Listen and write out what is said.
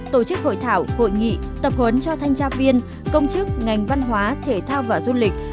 tổ chức hội thảo hội nghị tập huấn cho thanh tra viên công chức ngành văn hóa thể thao và du lịch